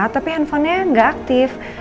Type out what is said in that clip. tapi handphonenya nggak aktif